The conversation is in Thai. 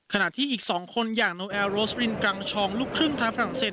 ขณะที่อีก๒คนอย่างโนแอร์โรสลินกังชองลูกครึ่งไทยฝรั่งเศส